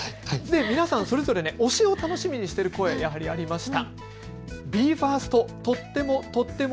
皆さんそれぞれ推しを楽しみにしている声、ありました。